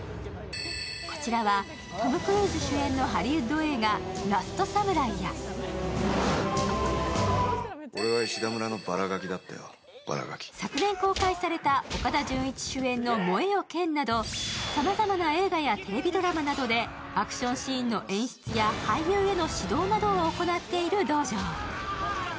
こちらはトム・クルーズ主演のハリウッド映画「ラストサムライ」やや昨年公開された岡田准一主演の「燃えよ剣」などさまざまな映画やテレビドラマなどでアクションシーンの演出や俳優への指導を行っている道場。